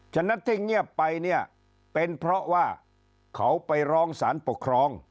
ฉะนั้นที่เงียบไปเนี่ยเป็นเพราะว่าเขาไปร้องสารปกครอง